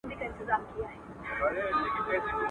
حقیقت به درته وایم که چینه د ځوانۍ را کړي.